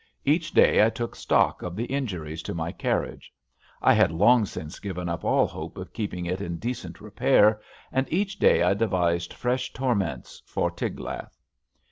Each day I took stock of the injuries to my carriage. I had long since given up all hope of keeping it in decent repair; and each day I devised fresh torments for Tig lath.